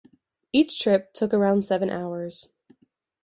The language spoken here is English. Each trip took around seven hours.